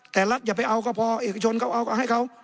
แต่รัฐอย่าไปเอาก็พอเอกชนเขาเอาก็ให้เขา